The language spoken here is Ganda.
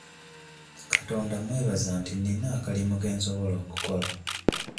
Katonda mmwebaza nti nnina akalimu ke nsobola okukola.